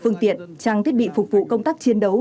phương tiện trang thiết bị phục vụ công tác chiến đấu